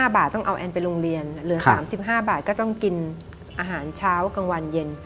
๕บาทต้องเอาแอนไปโรงเรียนเหลือ๓๕บาทก็ต้องกินอาหารเช้ากลางวันเย็น